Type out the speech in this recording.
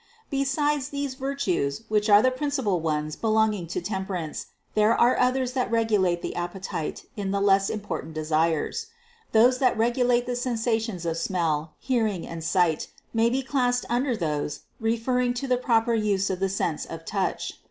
Be sides these virtues, which are the principal ones belonging THE CONCEPTION 451 to temperance, there are others that regulate the appetite in the less important desires. Those that regulate the sensations of smell, hearing and sight, may be classed un der those referring to the proper use of the sense of touch.